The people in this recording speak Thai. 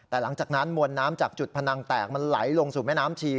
แต่หลังจากนั้นมวลน้ำจากจุดพนังแตกมันไหลลงสู่แม่น้ำชี